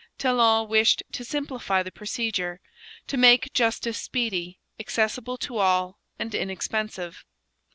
Talon wished to simplify the procedure; to make justice speedy, accessible to all, and inexpensive.